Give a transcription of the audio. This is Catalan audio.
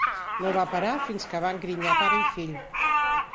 No va parar fins que va engrinyar pare i fill.